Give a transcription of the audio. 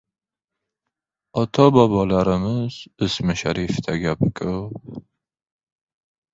Ota- bobolarimiz ismi sharifida gap ko‘p.